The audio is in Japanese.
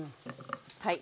はい。